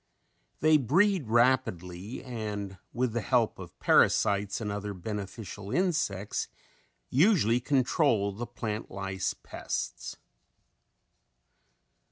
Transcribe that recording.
They breed rapidly and with the help of parasites and other beneficial insects usually control the plant lice pests.